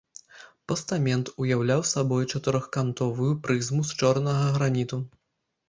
Пастамент уяўляў сабой чатырохкантовую прызму з чорнага граніту.